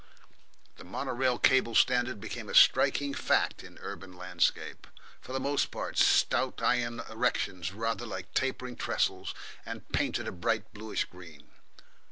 The mono rail cable standard became a striking fact in urban landscape, for the most part stout iron erections rather like tapering trestles, and painted a bright bluish green.